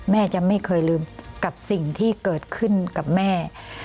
แม่จะไม่เคยลืมกับสิ่งที่เกิดขึ้นกับแม่